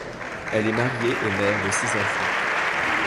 Elle est mariée et mère de six enfants.